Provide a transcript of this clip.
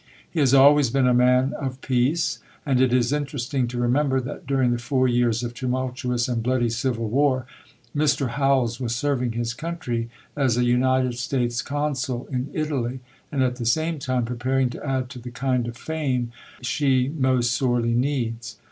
He has always been a man of peace; and it is interesting to remember that during the four years of tumultuous and bloody civil war, Mr. Howells was serving his country as a United States Consul in Italy, and at the same time preparing to add to the kind of fame she most sorely needs.